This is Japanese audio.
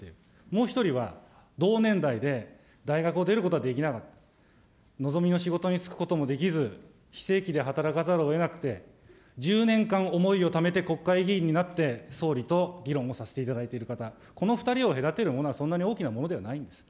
もう１人は、同年代で大学を出ることはできなかった、望みの仕事に就くこともできず、非正規で働かざるをえなくて、１０年間思いをためて国会議員になって、総理と議論をさせていただいている方、この２人を隔てるものはそんなに大きなものではないんです。